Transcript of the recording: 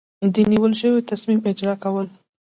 د نیول شوي تصمیم اجرا کول.